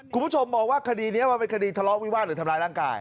คุณผู้ชมมองว่าคดีนี้มันเป็นคดีทะเลาะวิวาสหรือทำร้ายร่างกาย